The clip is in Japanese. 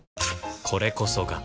これこそが